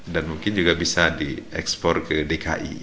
dan mungkin juga bisa di ekspor ke dki